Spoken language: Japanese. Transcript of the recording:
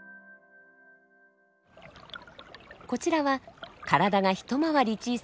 こちらは体が一回り小さなオスたち。